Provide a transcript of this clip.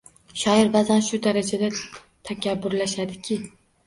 Shoir baʼzan shu darajada takabburlashadiki